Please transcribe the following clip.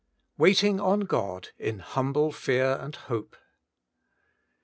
WAITING ON GOD: 5n bumble jfear and f)ope.